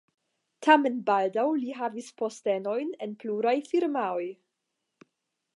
Tamen baldaŭ li havis postenojn en pluraj firmaoj.